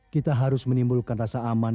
kita harus menimbulkan rasa aman